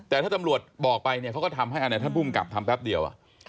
แต่ถ้าตำรวจบอกไปเนี่ยเขาก็ทำให้อันไหนท่านภูมิกับทำแป๊บเดียว